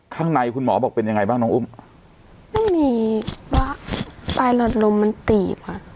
ข้างในคุณหมอบอกเป็นยังไงบ้างน้องอุ้มไม่มีว่าปลายหลอดลมมันตีบค่ะ